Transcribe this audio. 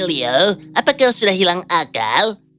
emilio apakah kau sudah hilang akal